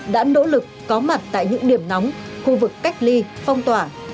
đã nỗ lực có mặt tại những điểm nóng khu vực cách ly phong tỏa